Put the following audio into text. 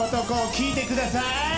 聴いてください。